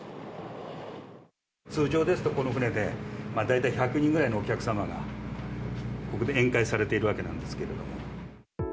通常ですと、この船で大体１００人ぐらいのお客様がここで宴会されているわけなんですけれども。